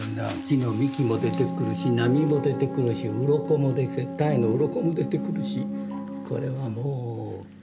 木の幹も出てくるし波も出てくるしウロコもウロコも出てくるしこれはもう。